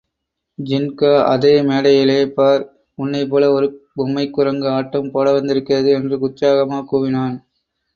ஜின்கா, அதோ மேடையிலே பார், உன்னைப்போல ஒரு பொம்மைக்குரங்கு ஆட்டம் போட வந்திருக்கிறது என்று உற்சாகமாகக் கூவினான்.